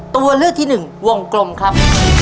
ตัวเลือกที่หนึ่งวงกลมครับ